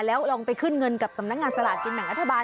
แล้วลองไปขึ้นเงินกับสำนักงานสลากกินแบ่งรัฐบาล